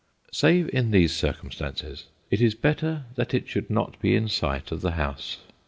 Save in these circumstances, it is better that it should not be in sight of the house.